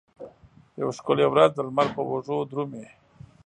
یوه ښکلې ورځ د لمر په اوږو درومې